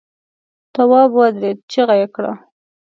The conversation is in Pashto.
تواب ودرېد، چيغه يې کړه!